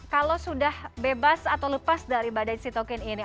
kalau sudah bebas atau lepas dari badai sitokin ini